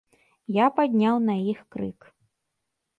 Я падняў на іх крык.